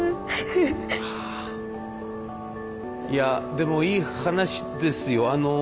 いやでもいい話ですよ。